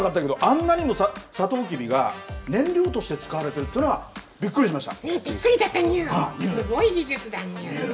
知らなかったけどあんなにも、さとうきびが燃料として使われているというのは、びっくりしました。